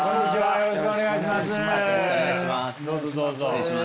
よろしくお願いします。